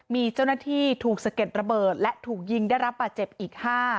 มีเจ้าหน้าที่ถูกสะเก็ดระเบิดและถูกยิงได้รับบาดเจ็บอีก๕